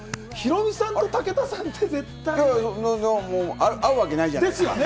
ヒロミさんと武田さんって、絶対に。合うわけないじゃない！